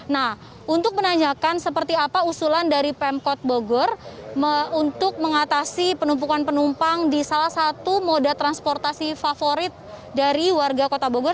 nah untuk menanyakan seperti apa usulan dari pemkot bogor untuk mengatasi penumpukan penumpang di salah satu moda transportasi favorit dari warga kota bogor